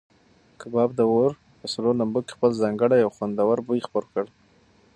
کباب د اور په سرو لمبو کې خپل ځانګړی او خوندور بوی خپور کړ.